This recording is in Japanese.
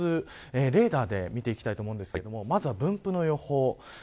レーダーで見ていきたいと思うんですけれどもまずは分布の予報。